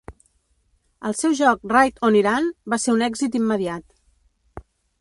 El seu joc "Raid on Iran" va ser un èxit immediat.